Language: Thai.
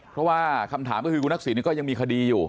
เพราะว่าคำถามก็คือคุณทักษิณก็ยังมีคดีอยู่